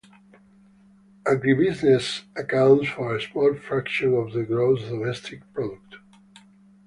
Agribusiness accounts for a small fraction of the gross domestic product.